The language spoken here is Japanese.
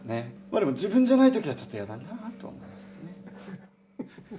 でも、自分じゃないときは、ちょっとやだなって思いますね。